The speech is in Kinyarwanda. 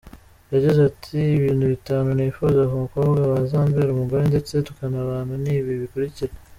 Yagize ati “Ibintu bitanu nifuza ku mukobwa wazambera umugore ndetse tukanabana, ni ibi bikurikira:".